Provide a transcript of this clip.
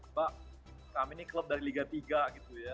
mbak kami ini klub dari liga tiga gitu ya